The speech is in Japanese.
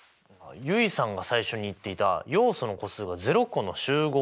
結衣さんが最初に言っていた要素の個数が０個の集合のことですね。